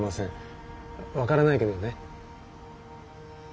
分からないけどね。